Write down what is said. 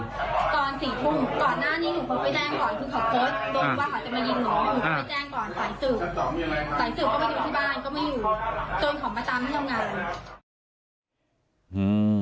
ไขล่ตื่นไขล่ตื่นก็ไม่ได้วิบาลก็ไม่อยู่